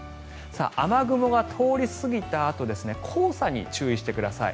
雨雲が通り過ぎたあと黄砂に注意してください。